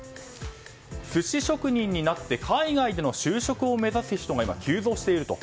寿司職人になって海外での就職を目指す人が今、急増していると。